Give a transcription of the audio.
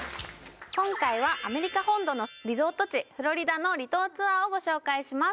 今回はアメリカ本土のリゾート地フロリダの離島ツアーをご紹介します